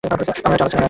আমরা একটা আলোচনা আছি।